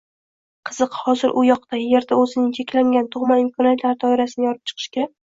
qiziq, hozir u yoqda, Yerda o‘zining cheklangan tug‘ma imkoniyatlari doirasini yorib chiqishga